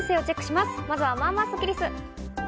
まずは、まあまあスッキりす。